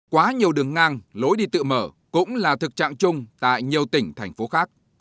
quá nhiều đường ngang lối đi tự mở cũng là thực trạng chung tại nhiều tỉnh thành phố khác